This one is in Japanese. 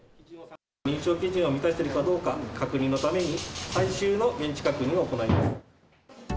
認証基準を満たしているかどうか、確認のために、最終の現地確認を行います。